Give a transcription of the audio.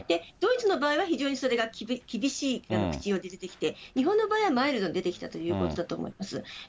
ドイツの場合はそれが非常に厳しい口調で出てきて、日本の場合はマイルドに出てきたということだと思います。